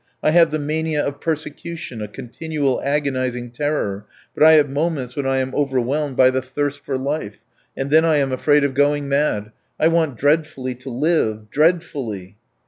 I have the mania of persecution, a continual agonizing terror; but I have moments when I am overwhelmed by the thirst for life, and then I am afraid of going mad. I want dreadfully to live, dreadfully!"